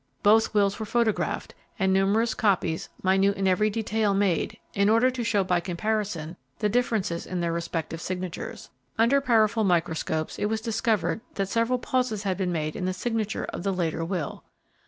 Both wills were photographed, and numerous copies, minute in every detail, made, in order to show by comparison the differences in their respective signatures. Under powerful microscopes it was discovered that several pauses had been made in the signature of the later will.